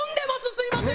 すみません！